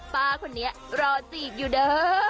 ป้าคนนี้รอจีบอยู่เด้อ